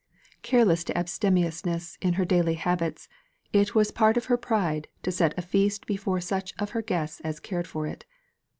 Careless to abstemiousness in her daily habits, it was part of her pride to set a feast before such of her guests as cared for it.